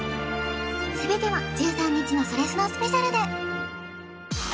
全ては１３日のそれスノスペシャルで！